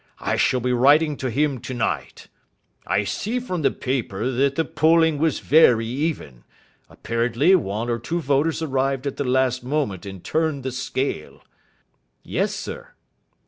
I shall be writing to him tonight. I see from the paper that the polling was very even. Apparently one or two voters arrived at the last moment and turned the scale." "Yes, sir."